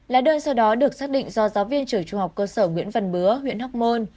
là đơn sau đó được xác định do giáo viên trường trung học cơ sở nguyễn văn bứa huyện hóc môn